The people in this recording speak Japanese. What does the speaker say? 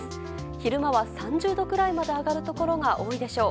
昼間は３０度くらいまで上がるところが多いでしょう。